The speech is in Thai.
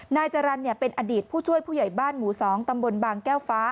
นายจรรย์เป็นอดีตผู้ช่วยผู้ใหญ่บ้านหมู่๒ตำบลบางแก้วฟ้า